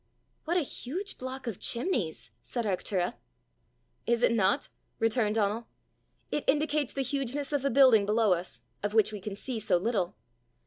"What a huge block of chimneys!" said Arctura. "Is it not!" returned Donal. "It indicates the hugeness of the building below us, of which we can see so little.